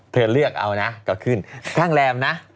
เลือกเอานะก็ขึ้นข้างแรมนะ